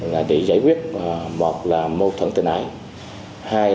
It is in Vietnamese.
là để giải quyết một là mâu thuẫn tình ái